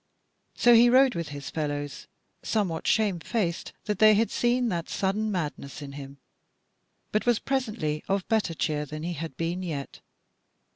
So he rode with his fellows somewhat shamefaced that they had seen that sudden madness in him; but was presently of better cheer than he had been yet.